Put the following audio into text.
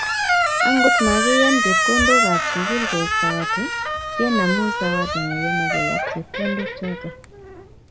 Angot makiyan chepkondok ab sukul koek sawati, kenamu sawati neyemekei ak chepkondok choto